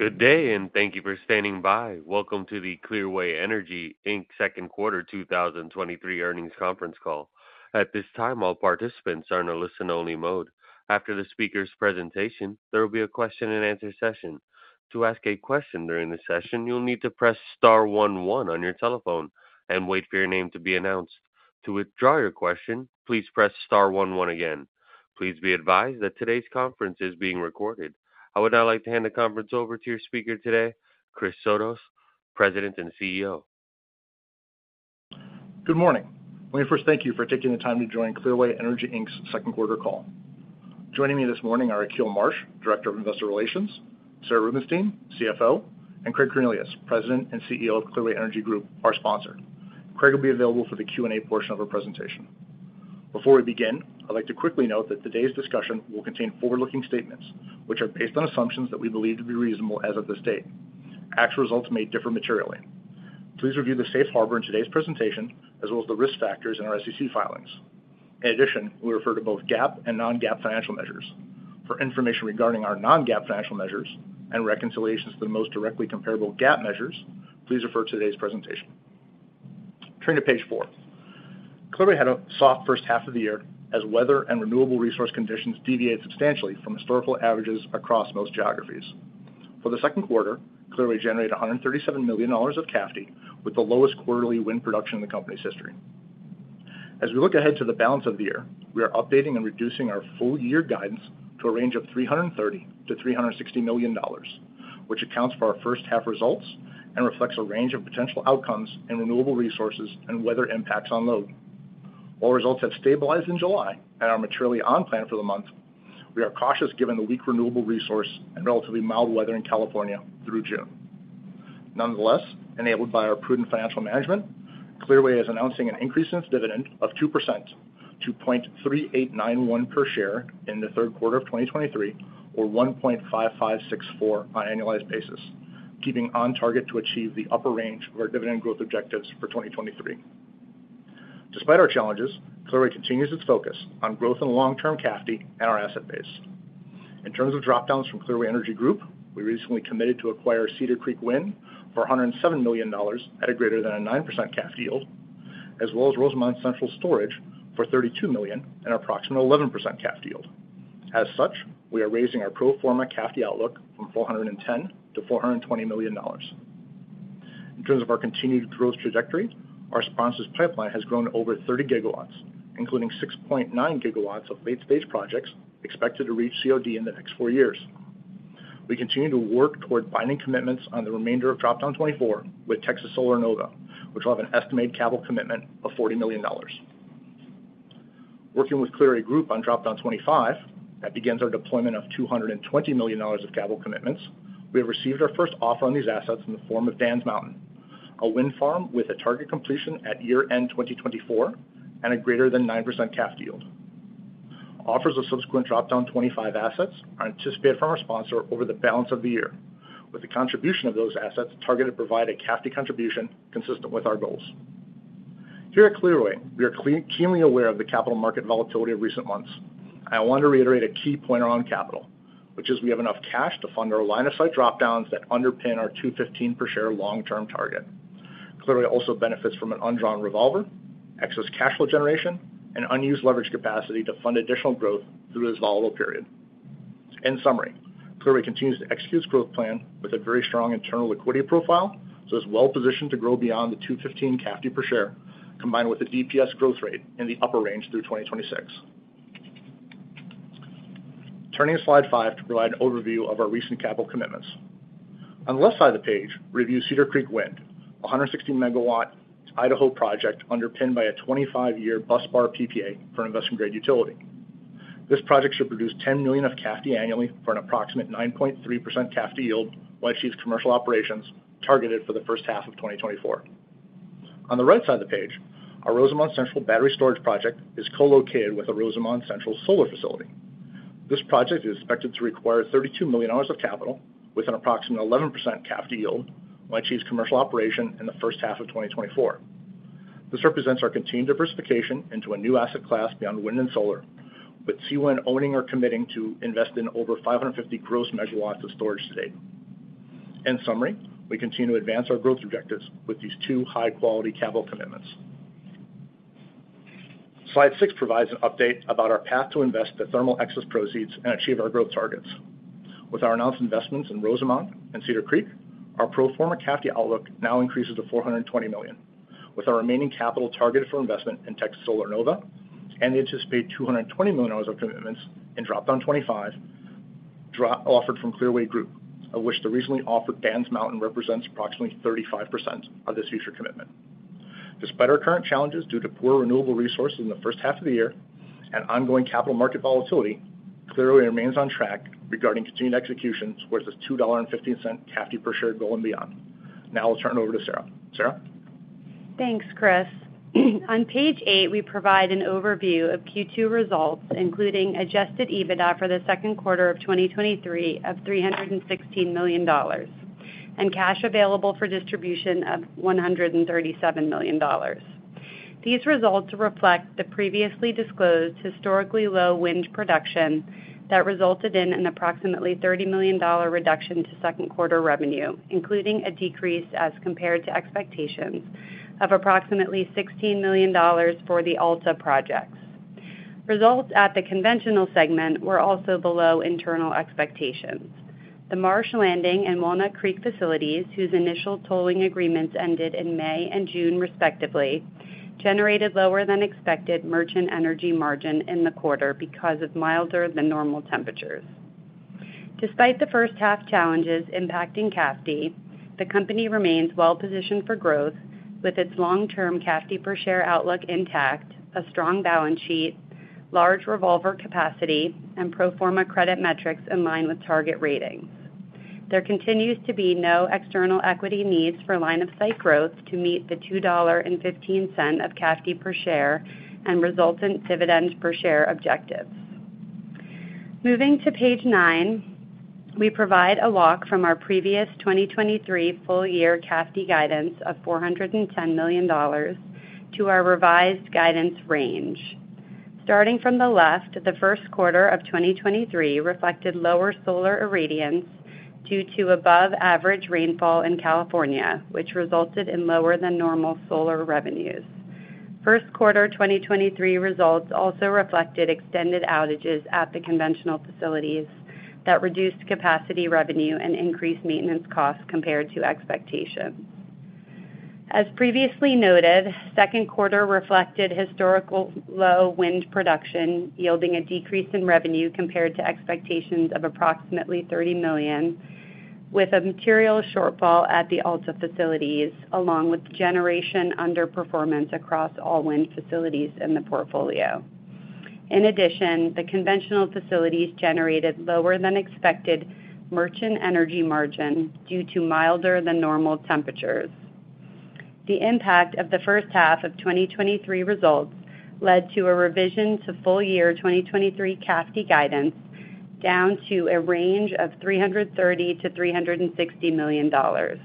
Good day, and thank you for standing by. Welcome to the Clearway Energy, Inc. Second Quarter 2023 earnings conference call. At this time, all participants are in a listen-only mode. After the speaker's presentation, there will be a question-and-answer session. To ask a question during the session, you'll need to press star one, one on your telephone and wait for your name to be announced. To withdraw your question, please press star one, one again. Please be advised that today's conference is being recorded. I would now like to hand the conference over to your speaker today, Chris Sotos, President and CEO. Good morning. Let me first thank you for taking the time to join Clearway Energy, Inc.'s second quarter call. Joining me this morning are Akil Marsh, Director of Investor Relations, Sarah Rubenstein, CFO, and Craig Cornelius, President and CEO of Clearway Energy Group, our sponsor. Craig will be available for the Q&A portion of our presentation. Before we begin, I'd like to quickly note that today's discussion will contain forward-looking statements, which are based on assumptions that we believe to be reasonable as of this date. Actual results may differ materially. Please review the Safe Harbor in today's presentation, as well as the risk factors in our SEC filings. In addition, we refer to both GAAP and non-GAAP financial measures. For information regarding our non-GAAP financial measures and reconciliations to the most directly comparable GAAP measures, please refer to today's presentation. Turning to page four. Clearway had a soft first half of the year as weather and renewable resource conditions deviated substantially from historical averages across most geographies. For the second quarter, Clearway generated $137 million of CAFD with the lowest quarterly wind production in the company's history. As we look ahead to the balance of the year, we are updating and reducing our full-year guidance to a range of $330 million-$360 million, which accounts for our first half results and reflects a range of potential outcomes in renewable resources and weather impacts on load. While results have stabilized in July and are materially on plan for the month, we are cautious given the weak renewable resource and relatively mild weather in California through June. Nonetheless, enabled by our prudent financial management, Clearway is announcing an increase in its dividend of 2% to $0.3891 per share in the third quarter of 2023, or $1.5564 on an annualized basis, keeping on target to achieve the upper range of our dividend growth objectives for 2023. Despite our challenges, Clearway continues its focus on growth in long-term CAFD and our asset base. In terms of drop-downs from Clearway Energy Group, we recently committed to acquire Cedar Creek Wind for $107 million at a greater than a 9% CAFD yield, as well as Rosamond Central Storage for $32 million and approximate 11% CAFD yield. As such, we are raising our pro forma CAFD outlook from $410 million-$420 million. In terms of our continued growth trajectory, our sponsor's pipeline has grown to over 30 gigawatts, including 6.9 gigawatts of late-stage projects expected to reach COD in the next four years. We continue to work toward binding commitments on the remainder of Drop-Down 24 with Texas Solar Nova, which will have an estimated capital commitment of $40 million. Working with Clearway Group on Drop-Down 25, that begins our deployment of $220 million of capital commitments. We have received our first offer on these assets in the form of Dan's Mountain, a wind farm with a target completion at year-end 2024 and a greater than 9% CAFD yield. Offers of subsequent Drop-Down 25 assets are anticipated from our sponsor over the balance of the year, with the contribution of those assets targeted to provide a CAFD contribution consistent with our goals. Here at Clearway, we are keenly aware of the capital market volatility of recent months. I want to reiterate a key point on capital, which is we have enough cash to fund our line-of-sight drop-downs that underpin our 2.15 per share long-term target. Clearway also benefits from an undrawn revolver, excess cash flow generation, and unused leverage capacity to fund additional growth through this volatile period. In summary, Clearway continues to execute its growth plan with a very strong internal liquidity profile, so it's well-positioned to grow beyond the 2.15 CAFD per share, combined with a DPS growth rate in the upper range through 2026. Turning to Slide five to provide an overview of our recent capital commitments. On the left side of the page, review Cedar Creek Wind, a 160-megawatt Idaho project underpinned by a 25-year busbar PPA for investment-grade utility. This project should produce $10 million of CAFD annually for an approximate 9.3% CAFD yield once these commercial operations targeted for the first half of 2024. On the right side of the page, our Rosamond Central Battery Storage Project is co-located with the Rosamond Central Solar facility. This project is expected to require $32 million of capital with an approximate 11% CAFD yield once these commercial operation in the first half of 2024. This represents our continued diversification into a new asset class beyond wind and solar, with CWEN owning or committing to invest in over 550 gross megawatts of storage today. In summary, we continue to advance our growth objectives with these two high-quality capital commitments. Slide six provides an update about our path to invest the thermal excess proceeds and achieve our growth targets. With our announced investments in Rosamond and Cedar Creek, our pro forma CAFD outlook now increases to $420 million, with our remaining capital targeted for investment in Texas Solar Nova and the anticipated $220 million of commitments in Drop-Down 25, offered from Clearway Group, of which the recently offered Dan's Mountain represents approximately 35% of this future commitment. Despite our current challenges due to poor renewable resources in the first half of the year and ongoing capital market volatility, Clearway remains on track regarding continued executions towards this $2.15 CAFD per share goal and beyond. Now I'll turn it over to Sarah. Sarah? Thanks, Chris. On page 8, we provide an overview of Q2 results, including Adjusted EBITDA for the second quarter of 2023 of $316 million and Cash Available for Distribution of $137 million. These results reflect the previously disclosed historically low wind production that resulted in an approximately $30 million reduction to second quarter revenue, including a decrease as compared to expectations of approximately $16 million for the Alta projects. Results at the conventional segment were also below internal expectations. The Marsh Landing and Walnut Creek facilities, whose initial tolling agreements ended in May and June, respectively, generated lower than expected merchant energy margin in the quarter because of milder than normal temperatures. Despite the first half challenges impacting CAFD, the company remains well-positioned for growth, with its long-term CAFD per share outlook intact, a strong balance sheet, large revolver capacity, and pro forma credit metrics in line with target ratings. There continues to be no external equity needs for line of sight growth to meet the $2.15 of CAFD per share and resultant dividends per share objectives. Moving to page 9, we provide a walk from our previous 2023 full-year CAFD guidance of $410 million to our revised guidance range. Starting from the left, the first quarter of 2023 reflected lower solar irradiance due to above average rainfall in California, which resulted in lower than normal solar revenues. First quarter 2023 results also reflected extended outages at the conventional facilities that reduced capacity revenue and increased maintenance costs compared to expectations. As previously noted, second quarter reflected historical low wind production, yielding a decrease in revenue compared to expectations of approximately $30 million, with a material shortfall at the Alta facilities, along with generation underperformance across all wind facilities in the portfolio. In addition, the conventional facilities generated lower than expected merchant energy margin due to milder than normal temperatures. The impact of the first half of 2023 results led to a revision to full-year 2023 CAFD guidance, down to a range of $330 million-$360 million.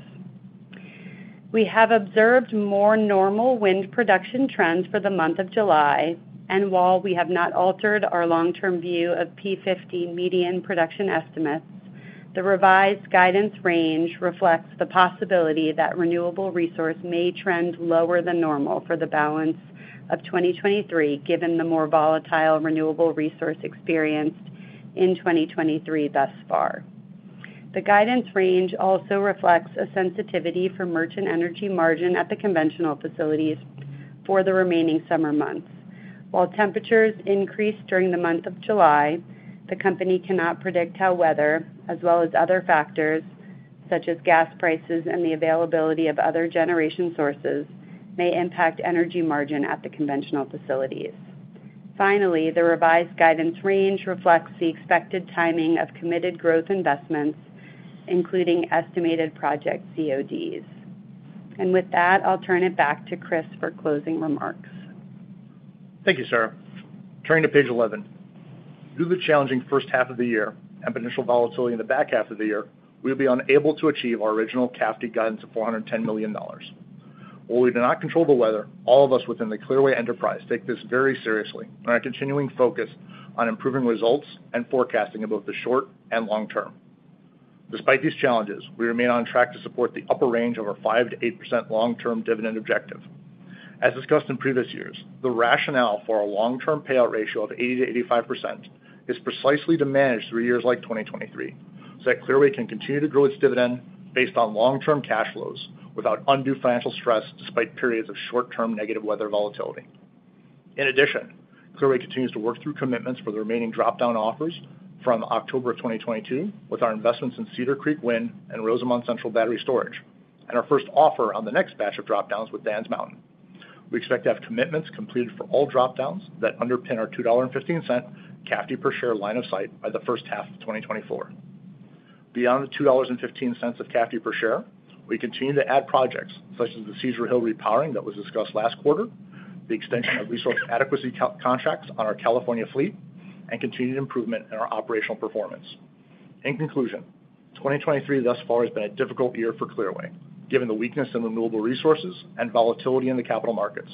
We have observed more normal wind production trends for the month of July, while we have not altered our long-term view of P50 median production estimates, the revised guidance range reflects the possibility that renewable resource may trend lower than normal for the balance of 2023, given the more volatile renewable resource experienced in 2023 thus far. The guidance range also reflects a sensitivity for merchant energy margin at the conventional facilities for the remaining summer months. While temperatures increased during the month of July, the company cannot predict how weather, as well as other factors, such as gas prices and the availability of other generation sources, may impact energy margin at the conventional facilities. Finally, the revised guidance range reflects the expected timing of committed growth investments, including estimated project CODs. With that, I'll turn it back to Chris for closing remarks. Thank you, Sarah. Turning to page 11. Due to the challenging first half of the year and potential volatility in the back half of the year, we will be unable to achieve our original CAFD guidance of $410 million. While we do not control the weather, all of us within the Clearway enterprise take this very seriously and are continuing focus on improving results and forecasting in both the short and long term. Despite these challenges, we remain on track to support the upper range of our 5%-8% long-term dividend objective. As discussed in previous years, the rationale for our long-term payout ratio of 80%-85% is precisely to manage through years like 2023, so that Clearway can continue to grow its dividend based on long-term cash flows without undue financial stress, despite periods of short-term negative weather volatility. In addition, Clearway continues to work through commitments for the remaining drop-down offers from October of 2022, with our investments in Cedar Creek Wind and Rosamond Central Battery Storage, and our first offer on the next batch of drop-downs with Dan's Mountain. We expect to have commitments completed for all drop-downs that underpin our $2.15 CAFD per share line of sight by the first half of 2024. Beyond the $2.15 of CAFD per share, we continue to add projects such as the Cedar Hill Repowering that was discussed last quarter, the extension of resource adequacy contracts on our California fleet, and continued improvement in our operational performance. In conclusion, 2023 thus far has been a difficult year for Clearway, given the weakness in renewable resources and volatility in the capital markets.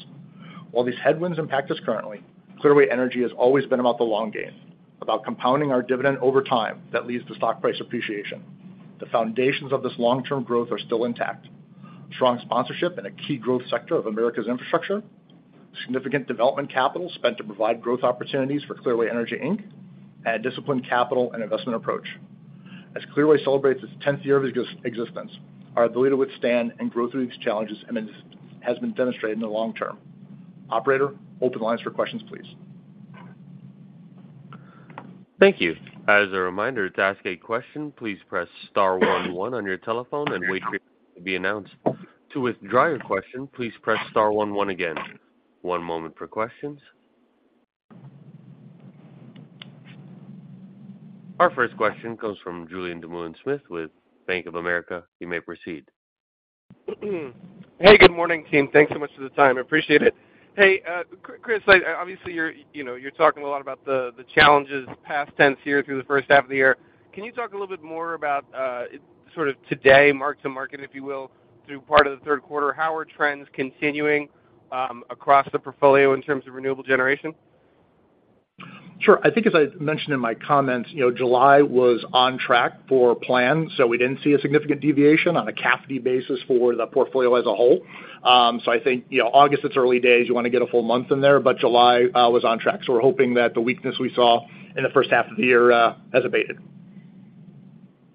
While these headwinds impact us currently, Clearway Energy has always been about the long game, about compounding our dividend over time that leads to stock price appreciation. The foundations of this long-term growth are still intact. Strong sponsorship in a key growth sector of America's infrastructure, significant development capital spent to provide growth opportunities for Clearway Energy Inc, and a disciplined capital and investment approach. As Clearway celebrates its 10th year of existence, our ability to withstand and grow through these challenges and has been demonstrated in the long term. Operator, open the lines for questions, please. Thank you. As a reminder, to ask a question, please press star one on your telephone and wait for your name to be announced. To withdraw your question, please press star one, one again. One moment for questions. Our first question comes from Julien Dumoulin-Smith with Bank of America. You may proceed. Hey, good morning, team. Thanks so much for the time. I appreciate it. Hey, Chris, obviously, you're, you know, you're talking a lot about the, the challenges, past tense here through the first half of the year. Can you talk a little bit more about, sort of today, mark to market, if you will, through part of the third quarter? How are trends continuing, across the portfolio in terms of renewable generation? Sure. I think as I mentioned in my comments, you know, July was on track for plan, so we didn't see a significant deviation on a CAFD basis for the portfolio as a whole. I think, you know, August, it's early days, you wanna get a full month in there, but July was on track. We're hoping that the weakness we saw in the first half of the year has abated.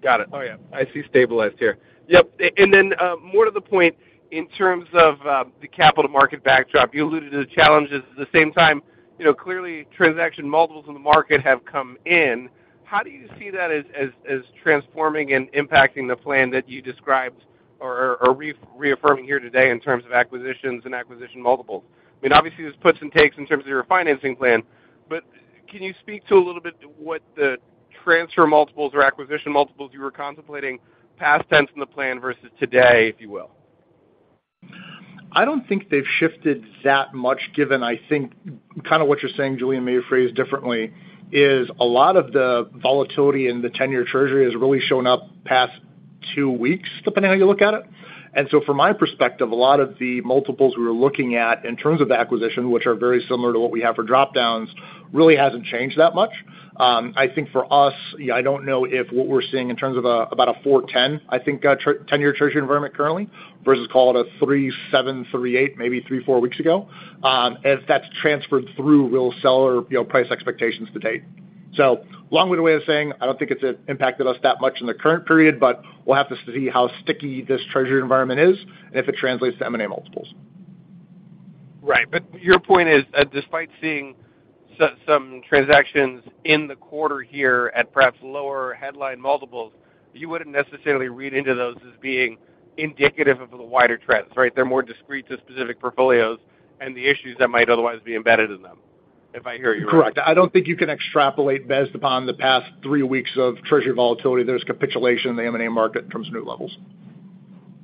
Got it. Oh, yeah, I see stabilized here. Yep, then, more to the point, in terms of the capital market backdrop, you alluded to the challenges at the same time. You know, clearly, transaction multiples in the market have come in. How do you see that as transforming and impacting the plan that you described or reaffirming here today in terms of acquisitions and acquisition multiples? I mean, obviously, there's puts and takes in terms of your financing plan, but can you speak to a little bit what the transfer multiples or acquisition multiples you were contemplating past tense from the plan versus today, if you will? I don't think they've shifted that much, given, I think, kind of what you're saying, Julien, maybe phrased differently, is a lot of the volatility in the 10-year Treasury has really shown up past two weeks, depending on how you look at it. From my perspective, a lot of the multiples we were looking at in terms of the acquisition, which are very similar to what we have for drop-downs, really hasn't changed that much. I think for us, yeah, I don't know if what we're seeing in terms of about a 4.10%, I think, 10-year Treasury environment currently, versus call it a 3.7%, 3.8%, maybe 3, 4 weeks ago, if that's transferred through, we'll sell or, you know, price expectations to date. Long way to way of saying, I don't think it's impacted us that much in the current period, but we'll have to see how sticky this treasury environment is and if it translates to M&A multiples. Right. Your point is, despite seeing so-some transactions in the quarter here at perhaps lower headline multiples, you wouldn't necessarily read into those as being indicative of the wider trends, right? They're more discrete to specific portfolios and the issues that might otherwise be embedded in them, if I hear you right. Correct. I don't think you can extrapolate based upon the past 3 weeks of treasury volatility, there's capitulation in the M&A market in terms of new levels.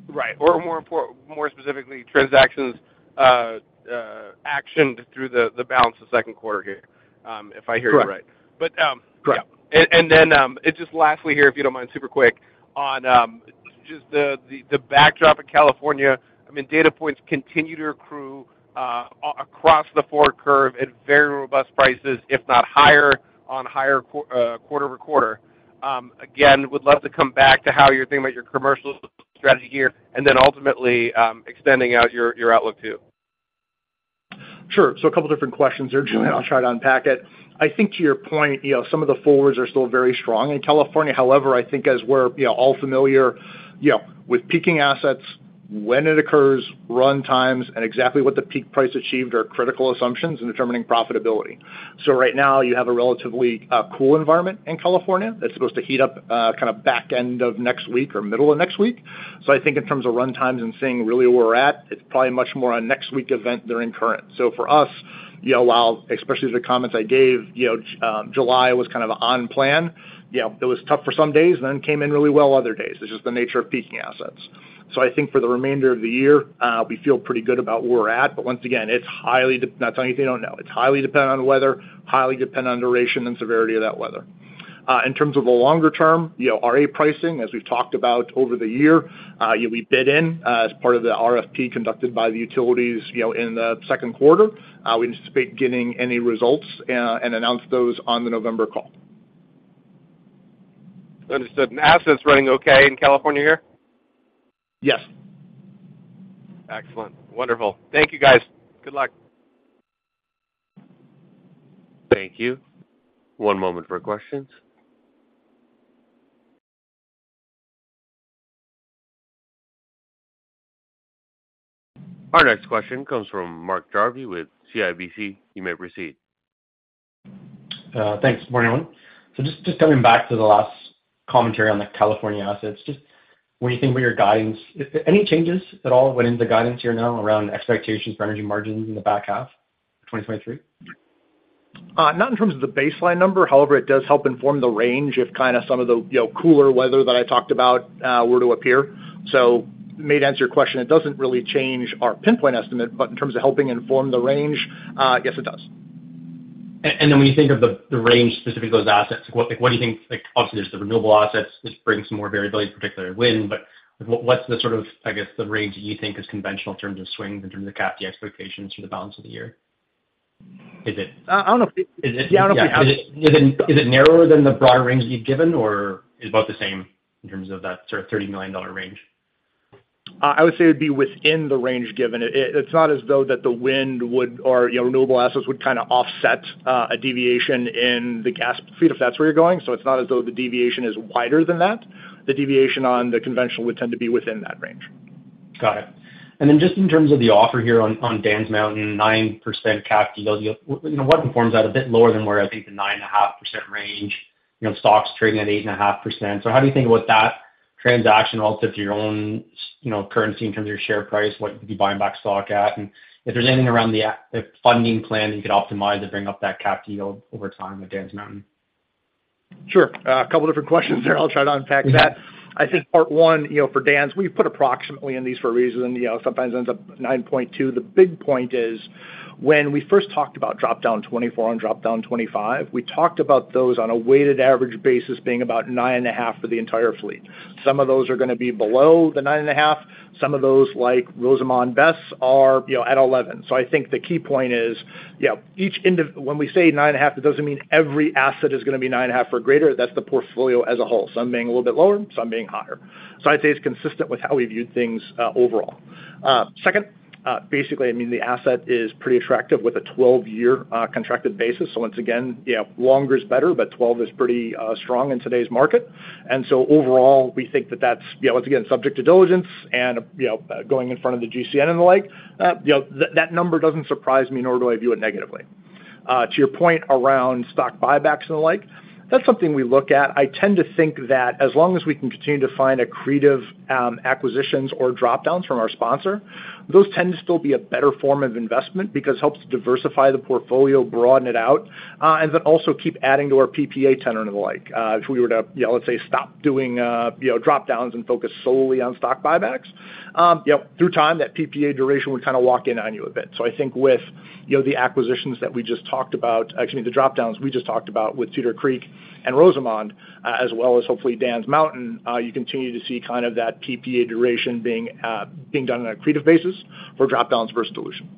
Right. More import- more specifically, transactions, actioned through the, the balance of second quarter here, if I hear you right. Correct. But, um- Correct. Then, it's just lastly here, if you don't mind, super quick, on, just the backdrop in California, I mean, data points continue to accrue, across the forward curve at very robust prices, if not higher, on higher quarter-over-quarter. Again, would love to come back to how you're thinking about your commercial strategy here, and then ultimately, extending out your, your outlook, too. Sure. A couple different questions there, Julien. I'll try to unpack it. I think to your point, you know, some of the forwards are still very strong in California. However, I think as we're, you know, all familiar, you know, with peaking assets, when it occurs, runtimes, and exactly what the peak price achieved are critical assumptions in determining profitability. Right now, you have a relatively cool environment in California. That's supposed to heat up kind of back end of next week or middle of next week. I think in terms of runtimes and seeing really where we're at, it's probably much more a next week event than in current. For us, you know, while, especially the comments I gave, you know, July was kind of on plan, you know, it was tough for some days, then came in really well other days. This is the nature of peaking assets. I think for the remainder of the year, we feel pretty good about where we're at. Once again, it's highly not telling you anything you don't know. It's highly dependent on the weather, highly dependent on duration and severity of that weather. In terms of the longer term, you know, RA pricing, as we've talked about over the year, we bid in as part of the RFP conducted by the utilities, you know, in the second quarter. We anticipate getting any results, and announce those on the November call. Understood. Assets running okay in California here? Yes. Excellent. Wonderful. Thank you, guys. Good luck. Thank you. One moment for questions. Our next question comes from Mark Jarvi with CIBC. You may proceed. Thanks. Morning, everyone. Just, just coming back to the last commentary on the California assets, just when you think about your guidance, is there any changes at all went into the guidance here now around expectations for energy margins in the back half of 2023? Not in terms of the baseline number. However, it does help inform the range if kind of some of the, you know, cooler weather that I talked about, were to appear. May answer your question, it doesn't really change our pinpoint estimate, but in terms of helping inform the range, yes, it does. Then when you think of the, the range, specifically those assets, what, what do you think, obviously, there's the renewable assets, which brings more variability, particularly wind, but what's the sort of, I guess, the range you think is conventional in terms of swings, in terms of CAFD expectations for the balance of the year? Is it? I don't know. Is it- Yeah, I don't think Is it, is it narrower than the broader range you've given, or is it about the same in terms of that sort of $30 million range? I would say it would be within the range given. It's not as though that the wind would or, you know, renewable assets would kind of offset, a deviation in the gas fleet, if that's where you're going. It's not as though the deviation is wider than that. The deviation on the conventional would tend to be within that range. Got it. Then just in terms of the offer here on Dan's Mountain, 9% CAFD yield, you know, what informs that? A bit lower than where I think the 9.5% range, you know, stocks trading at 8.5%. How do you think about that transaction relative to your own, you know, currency in terms of your share price, what you'd be buying back stock at? If there's anything around the funding plan, you could optimize to bring up that CAFD yield over time with Dan's Mountain. Sure. A couple different questions there. I'll try to unpack that. I think part one, you know, for Dan's, we've put approximately in these for a reason, you know, sometimes ends up 9.2. The big point is, when we first talked about Drop-Down 24 and Drop-Down 25, we talked about those on a weighted average basis being about 9.5 for the entire fleet. Some of those are gonna be below the 9.5. Some of those, like Rosamond BESS, are, you know, at 11. I think the key point is, you know, when we say 9.5, it doesn't mean every asset is gonna be 9.5 or greater. That's the portfolio as a whole. Some being a little bit lower, some being higher. I'd say it's consistent with how we viewed things overall. Second, basically, I mean, the asset is pretty attractive with a 12-year contracted basis. Once again, you know, longer is better, but 12 is pretty strong in today's market. Overall, we think that that's, you know, once again, subject to diligence and, you know, going in front of the GCN and the like, you know, that, that number doesn't surprise me, nor do I view it negatively. To your point around stock buybacks and the like, that's something we look at. I tend to think that as long as we can continue to find accretive acquisitions or drop-downs from our sponsor, those tend to still be a better form of investment because it helps diversify the portfolio, broaden it out, and then also keep adding to our PPA tenor and the like. If we were to, you know, let's say, stop doing, you know, drop-downs and focus solely on stock buybacks, you know, through time, that PPA duration would kind of walk in on you a bit. I think with, you know, the acquisitions that we just talked about, actually, the drop-downs we just talked about with Cedar Creek and Rosamond, as well as hopefully Dan's Mountain, you continue to see kind of that PPA duration being, being done on an accretive basis for drop-downs versus dilution.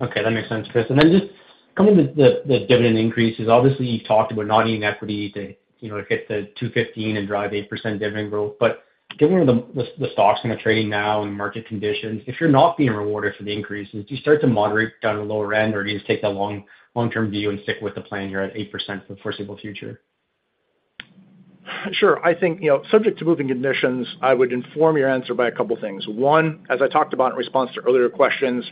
Okay, that makes sense, Chris. Just coming to the, the dividend increases, obviously, you've talked about not needing equity to, you know, hit the 2.15 and drive 8% dividend growth. Given where the, the, the stock's gonna trade now and market conditions, if you're not being rewarded for the increases, do you start to moderate down to the lower end, or do you just take the long-long-term view and stick with the plan, you're at 8% for the foreseeable future? Sure. I think, you know, subject to moving conditions, I would inform your answer by a couple of things. One, as I talked about in response to earlier questions,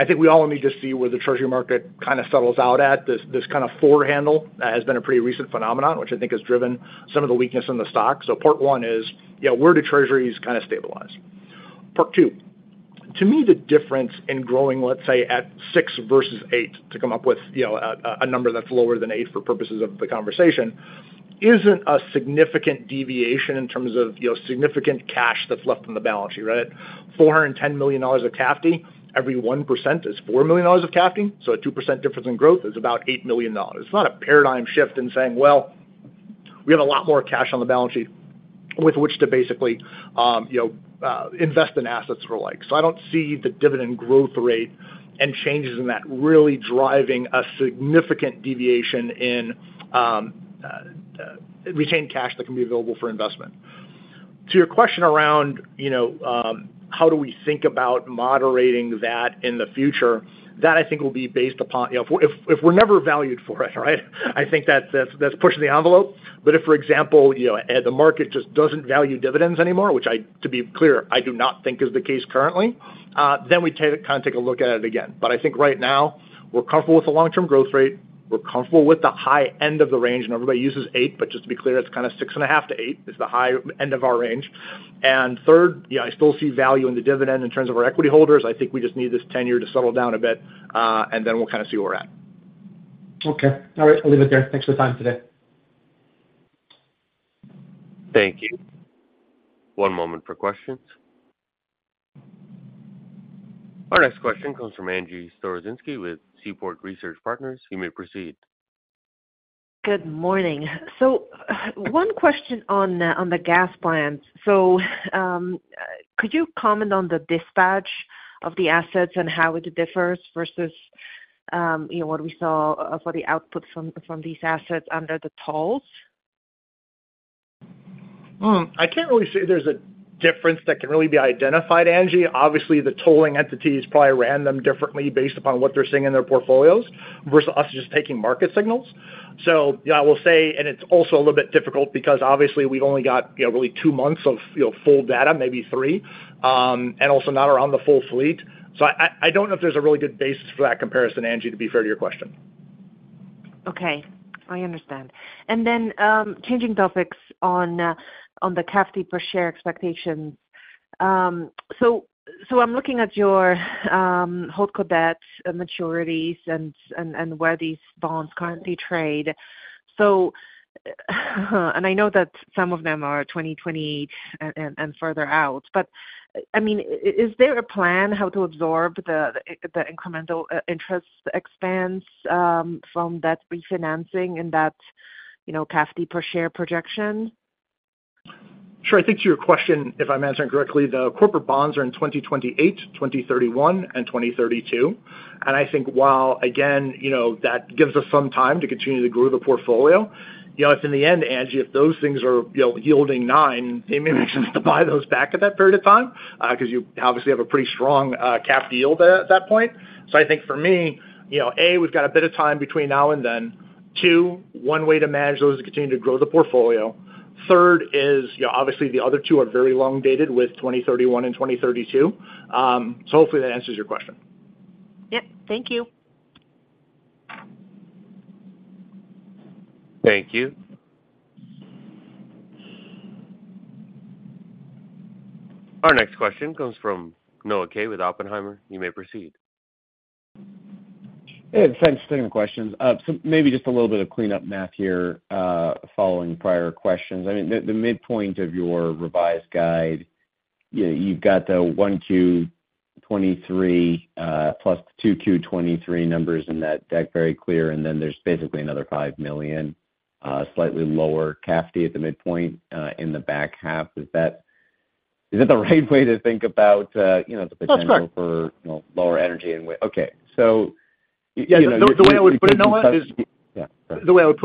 I think we all need to see where the treasury market kind of settles out at. This, this kind of four handle has been a pretty recent phenomenon, which I think has driven some of the weakness in the stock. Part one is, you know, where do treasuries kind of stabilize? Part two, to me, the difference in growing, let's say, at 6 versus 8, to come up with, you know, a, a number that's lower than eight for purposes of the conversation, isn't a significant deviation in terms of, you know, significant cash that's left on the balance sheet, right? $410 million of CAFD, every 1% is $4 million of CAFD, so a 2% difference in growth is about $8 million. It's not a paradigm shift in saying, "Well, we have a lot more cash on the balance sheet with which to basically, you know, invest in assets or like." I don't see the dividend growth rate and changes in that really driving a significant deviation in retained cash that can be available for investment. To your question around, you know, how do we think about moderating that in the future? That I think will be based upon. You know, if, if, if we're never valued for it, right? I think that's, that's, that's pushing the envelope. If, for example, you know, the market just doesn't value dividends anymore, which, to be clear, I do not think is the case currently, then we take, kind of take a look at it again. I think right now, we're comfortable with the long-term growth rate. We're comfortable with the high end of the range, and everybody uses 8, but just to be clear, it's kind of 6.5-8, is the high end of our range. Third, you know, I still see value in the dividend in terms of our equity holders. I think we just need this tenure to settle down a bit, and then we'll kind of see where we're at. Okay. All right, I'll leave it there. Thanks for the time today. Thank you. One moment for questions. Our next question comes from Angie Storozynski with Seaport Research Partners. You may proceed. Good morning. One question on, on the gas plans. Could you comment on the dispatch of the assets and how it differs versus, you know, what we saw for the outputs from, from these assets under the tolls? I can't really say there's a difference that can really be identified, Angie. Obviously, the tolling entities probably ran them differently based upon what they're seeing in their portfolios, versus us just taking market signals. Yeah, I will say... It's also a little bit difficult because obviously we've only got, you know, really two months of, you know, full data, maybe three, and also not around the full fleet. I, I don't know if there's a really good basis for that comparison, Angie, to be fair to your question. Okay, I understand. Then, changing topics on, on the CAFD per share expectations. I'm looking at your holdco debts and maturities and, and, and where these bonds currently trade. I know that some of them are 2028 and, and, and further out, but, I mean, is there a plan how to absorb the incremental interest expense from that refinancing and that, you know, CAFD per share projection? Sure. I think to your question, if I'm answering correctly, the corporate bonds are in 2028, 2031 and 2032. I think while, again, you know, that gives us some time to continue to grow the portfolio, you know, if in the end, Angie, if those things are, you know, yielding 9, it may make sense to buy those back at that period of time, because you obviously have a pretty strong, capped yield at that point. I think for me, you know, A, we've got a bit of time between now and then. Two, one way to manage those is continue to grow the portfolio. Third is, you know, obviously the other two are very long dated with 2031 and 2032. Hopefully that answers your question. Yep. Thank you. Thank you. Our next question comes from Noah Kaye with Oppenheimer. You may proceed. Hey, thanks. Second questions. Maybe just a little bit of cleanup math here, following prior questions. I mean, the, the midpoint of your revised guide, you, you've got the 1Q 2023 plus 2Q 2023 numbers in that deck very clear, and then there's basically another $5 million, slightly lower CAFD at the midpoint, in the back half. Is that, is that the right way to think about, you know, the potential- That's correct. For, you know, lower energy and. Okay. you know, the way- Yeah, the way I would put it, Noah, is- Yeah. The way I would put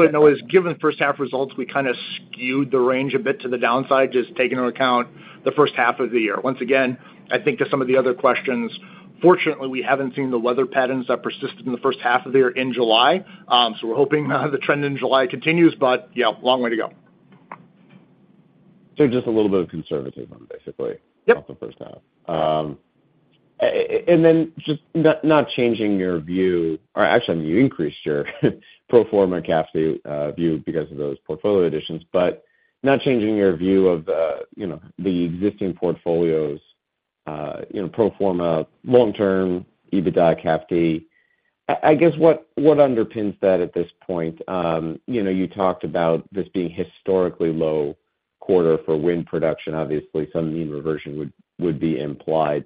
it, Noah, is given the first half results, we kind of skewed the range a bit to the downside, just taking into account the first half of the year. Once again, I think to some of the other questions, fortunately, we haven't seen the weather patterns that persisted in the first half of the year in July. We're hoping the trend in July continues, but yeah, long way to go. Just a little bit of conservatism, basically. Yep off the first half. Then just not, not changing your view, or actually, I mean, you increased your, pro forma CAFD view because of those portfolio additions, but not changing your view of, you know, the existing portfolios, you know, pro forma, long-term, EBITDA, CAFD. I, I guess what, what underpins that at this point? You know, you talked about this being historically low quarter for wind production. Obviously, some mean reversion would, would be implied,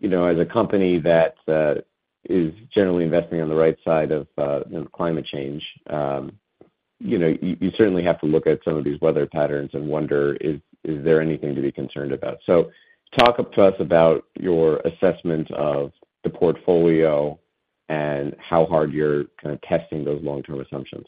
but, you know, as a company that is generally investing on the right side of, you know, climate change, you know, you, you certainly have to look at some of these weather patterns and wonder, is, is there anything to be concerned about? Talk to us about your assessment of the portfolio and how hard you're kind of testing those long-term assumptions.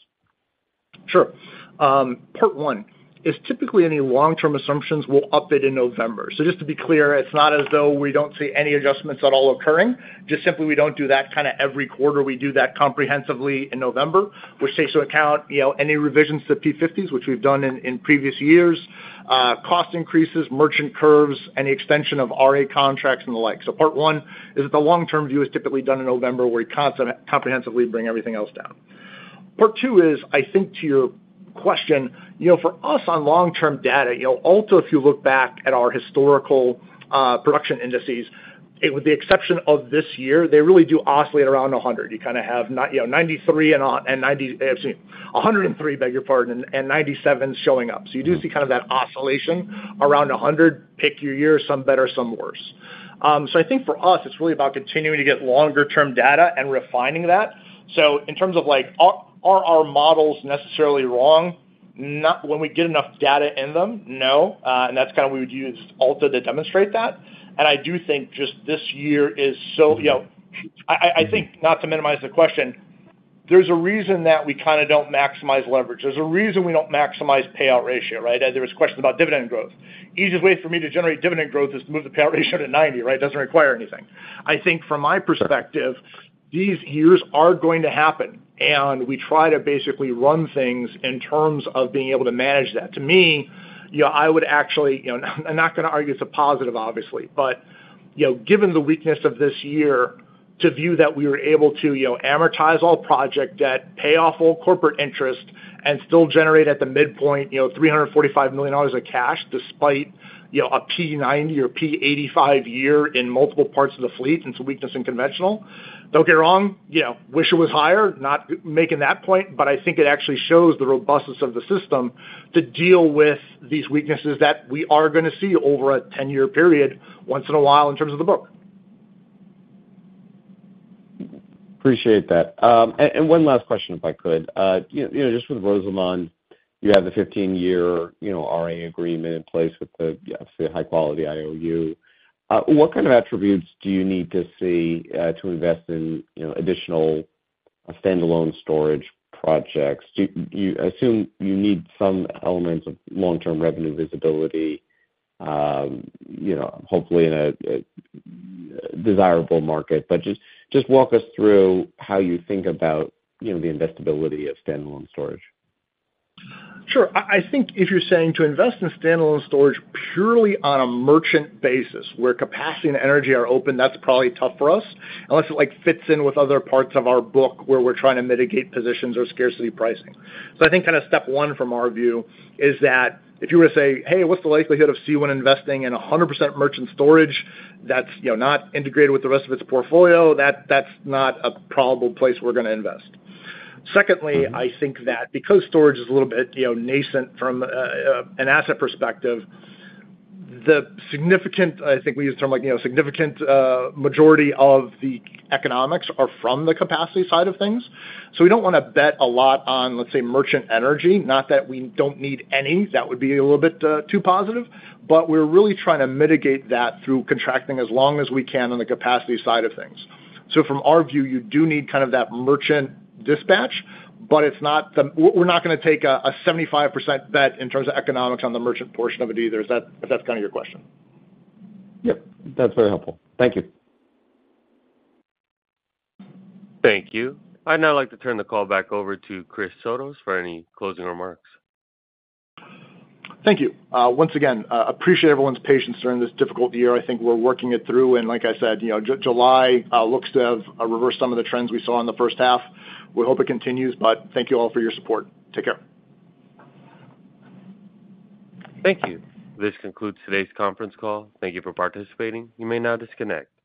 Sure. Part one is typically any long-term assumptions, we'll update in November. Just to be clear, it's not as though we don't see any adjustments at all occurring, just simply we don't do that kind of every quarter. We do that comprehensively in November, which takes into account, you know, any revisions to P50s, which we've done in, in previous years, cost increases, merchant curves, any extension of RA contracts and the like. Part one is that the long-term view is typically done in November, where we comprehensively bring everything else down. Part two is, I think to your question, you know, for us on long-term data, you know, also if you look back at our historical, production indices, with the exception of this year, they really do oscillate around 100. You kind of have, you know, 93 and on, and excuse me, 103, beg your pardon, and 97 showing up. You do see kind of that oscillation around 100. Pick your year, some better, some worse. I think for us, it's really about continuing to get longer-term data and refining that. In terms of, like, are our models necessarily wrong? Not when we get enough data in them, no, and that's kind of what we would use Alta to demonstrate that. I do think just this year is so. You know, I, I, I think, not to minimize the question, there's a reason that we kind of don't maximize leverage. There's a reason we don't maximize payout ratio, right? There was questions about dividend growth. Easiest way for me to generate dividend growth is move the payout ratio to 90, right? Doesn't require anything. I think from my perspective, these years are going to happen, and we try to basically run things in terms of being able to manage that. To me, you know, I would actually, you know, I'm not gonna argue it's a positive, obviously, but, you know, given the weakness of this year, to view that we were able to, you know, amortize all project debt, pay off all corporate interest, and still generate at the midpoint, you know, $345 million of cash, despite, you know, a P90 or P85 year in multiple parts of the fleet and some weakness in conventional. Don't get me wrong, you know, wish it was higher. Not making that point, but I think it actually shows the robustness of the system to deal with these weaknesses that we are gonna see over a 10-year period once in a while in terms of the book. Appreciate that. One last question, if I could. You know, you know, just with Rosamond, you have the 15-year, you know, RA agreement in place with the, obviously, high-quality IOU. What kind of attributes do you need to see to invest in, you know, additional standalone storage projects? Assume you need some elements of long-term revenue visibility, you know, hopefully in a, a desirable market. Just, just walk us through how you think about, you know, the investability of standalone storage. Sure. I, I think if you're saying to invest in standalone storage purely on a merchant basis, where capacity and energy are open, that's probably tough for us, unless it, like, fits in with other parts of our book where we're trying to mitigate positions or scarcity pricing. I think kind of step one from our view is that if you were to say, "Hey, what's the likelihood of Seawind investing in 100% merchant storage that's, you know, not integrated with the rest of its portfolio?" That, that's not a probable place we're gonna invest. Secondly, I think that because storage is a little bit, you know, nascent from an asset perspective, the significant, I think we use the term, like, you know, significant majority of the economics are from the capacity side of things. We don't wanna bet a lot on, let's say, merchant energy. Not that we don't need any. That would be a little bit too positive, but we're really trying to mitigate that through contracting as long as we can on the capacity side of things. From our view, you do need kind of that merchant dispatch, but it's not we're not gonna take a 75% bet in terms of economics on the merchant portion of it either. Is that, if that's kind of your question? Yep, that's very helpful. Thank you. Thank you. I'd now like to turn the call back over to Christopher Sotos for any closing remarks. Thank you. Once again, appreciate everyone's patience during this difficult year. I think we're working it through, and like I said, you know, July looks to have reversed some of the trends we saw in the first half. We hope it continues. Thank you all for your support. Take care. Thank you. This concludes today's conference call. Thank you for participating. You may now disconnect.